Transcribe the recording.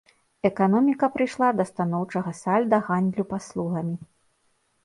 Эканоміка прыйшла да станоўчага сальда гандлю паслугамі.